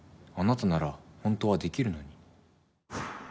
あなたならホントはできるのに。